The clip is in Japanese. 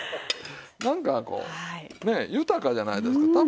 なんかこうね豊かじゃないですか。